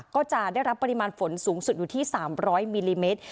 ก็จะได้รับปริมาณฝนสูงสุดอยู่ที่๓๐๐มิลลิเมตร